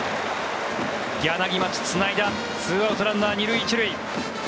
柳町、つないだ２アウト、ランナー２塁１塁。